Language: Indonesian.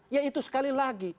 ya itu sekali lagi